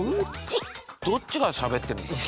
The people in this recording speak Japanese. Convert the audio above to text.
どっちがしゃべってるんですか？